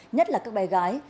nhất là các bé gái